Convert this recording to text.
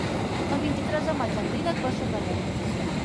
El vint-i-tres de maig en Dídac va a Sobremunt.